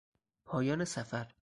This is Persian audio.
پایان سفر